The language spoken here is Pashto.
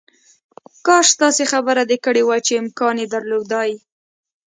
کاش داسې خبره دې کړې وای چې امکان یې درلودای